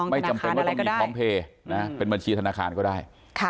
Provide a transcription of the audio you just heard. ไม่จำเป็นว่าต้องมีพร้อมเพลย์เป็นบัญชีธนาคารก็ได้